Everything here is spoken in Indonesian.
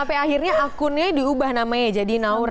sampai akhirnya akunnya diubah namanya jadi naura